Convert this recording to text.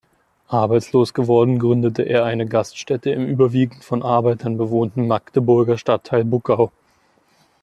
Arbeitslos geworden gründete er eine Gaststätte im überwiegend von Arbeitern bewohnten Magdeburger Stadtteil Buckau.